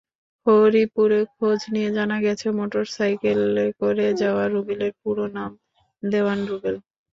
হরিপুরে খোঁজ নিয়ে জানা গেছে, মোটরসাইকেলে করে যাওয়া রুবেলের পুরো নাম দেওয়ান রুবেল।